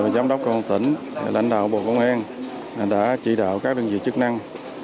giám đốc công an tỉnh lãnh đạo bộ công an đã chỉ đạo các đơn vị chức năng